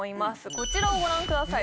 こちらをご覧ください